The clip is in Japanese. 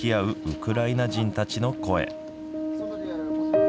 ウクライナ人たちの声。